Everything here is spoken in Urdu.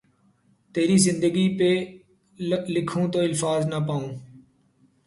تیری زندگی پھ لکھوں تو الفاظ نہ پاؤں